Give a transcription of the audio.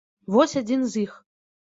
Вось адзін з іх.